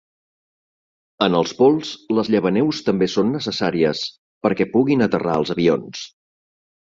En els pols les llevaneus també són necessàries perquè puguin aterrar els avions.